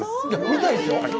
みたいですよ。